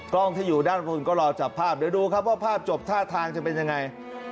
กล้องที่อยู่ด้านบนก็รอจับภาพเดี๋ยวดูครับว่าภาพจบท่าทางจะเป็นยังไง